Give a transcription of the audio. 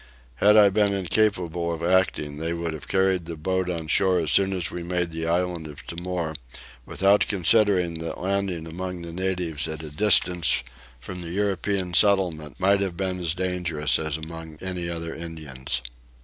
Had I been incapable of acting they would have carried the boat on shore as soon as we made the island of Timor without considering that landing among the natives at a distance from the European settlement might have been as dangerous as among any other Indians.